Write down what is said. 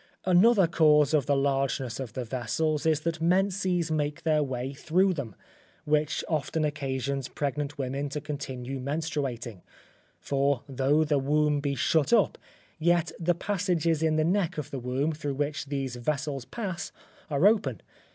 Another cause of the largeness of the vessels is, that menses make their way through them, which often occasions pregnant women to continue menstruating: for though the womb be shut up, yet the passages in the neck of the womb through which these vessels pass, are open.